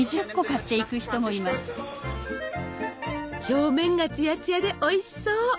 表面がツヤツヤでおいしそう！